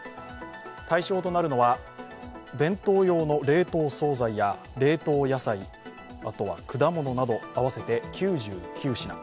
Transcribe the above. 対象となるのは弁当用の冷凍惣菜や、冷凍野菜あとは果物など合わせて９９品。